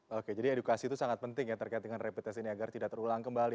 oke jadi edukasi itu sangat penting ya terkait dengan rapid test ini agar tidak terulang kembali